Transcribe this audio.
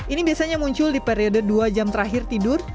ini biasanya muncul di periode dua jam terakhir tidur